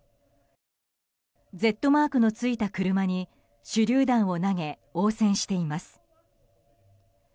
Ｚマークのついた車に手りゅう弾を投げ応戦しています。